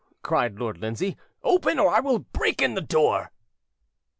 cried Lord Lindsay, "open, or I will break in the door."